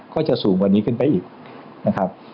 ก็จะสูงกว่านี้ขึ้นไปอีกนะครับ